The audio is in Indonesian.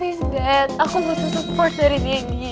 please dad aku butuh support dari deddy